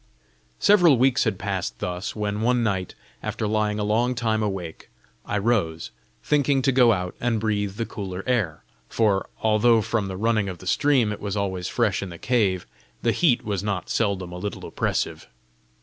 Several weeks had passed thus, when one night, after lying a long time awake, I rose, thinking to go out and breathe the cooler air; for, although from the running of the stream it was always fresh in the cave, the heat was not seldom a little oppressive.